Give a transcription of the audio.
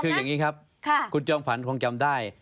คืออย่างนี้ครับคุณจอมขวัญคงจำได้